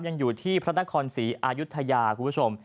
ยังอยู่ที่พระนครศรีอายุทยาคุณผู้ชม